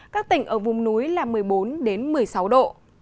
các tỉnh ở vùng núi là một mươi bốn một mươi sáu độ